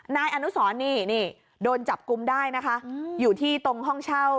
นายอนุสรนี่นี่โดนจับกุมได้นะคะอยู่ที่ตรงห้องเช่า